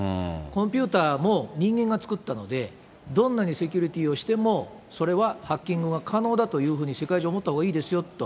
コンピュータも人間が作ったので、どんなにセキュリティーをしても、それはハッキングが可能だというふうに世界中、思ったほうがいいですよと。